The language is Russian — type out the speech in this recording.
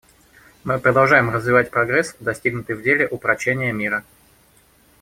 Мы продолжаем развивать прогресс, достигнутый в деле упрочения мира.